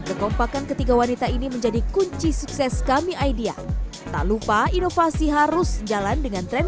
kekompakan ketiga wanita ini menjadi kunci sukses kami idea tak lupa inovasi harus jalan dengan tren